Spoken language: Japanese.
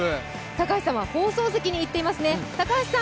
高橋さんは放送席に行っていますね。